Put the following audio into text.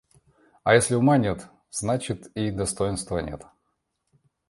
А если ума нет, значит, и достоинства нет.